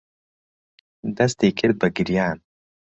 دەستی کرد بە گریان.